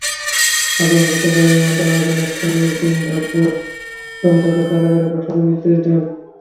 আদালত গতকাল রিমান্ডের আবেদনের শুনানির দিন ধার্য করে তাদের কারাগারে পাঠানোর নির্দেশ দেন।